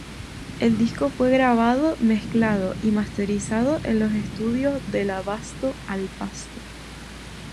El disco fue grabado, mezclado y masterizado en los estudios "Del Abasto al Pasto".